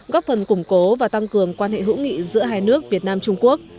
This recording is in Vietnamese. góp phần củng cố và tăng cường quan hệ hữu nghị giữa hai nước việt nam trung quốc